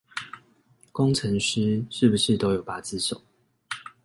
工程師是不是都有八隻手